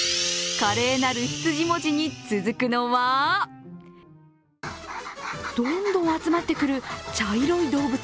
華麗なる羊文字に続くのはどんどん集まってくる茶色い動物。